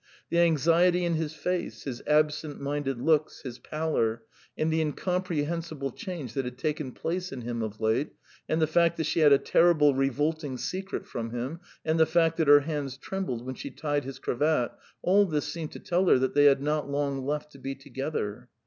The anxiety in his face, his absent minded looks, his pallor, and the incomprehensible change that had taken place in him of late, and the fact that she had a terrible revolting secret from him, and the fact that her hands trembled when she tied his cravat all this seemed to tell her that they had not long left to be together.